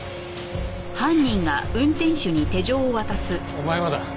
お前もだ。